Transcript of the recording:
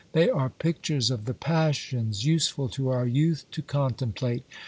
They are pictures of the passions, useful to our youth to contemplate.